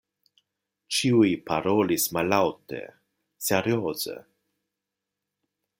Ĉiuj parolis mallaŭte, serioze.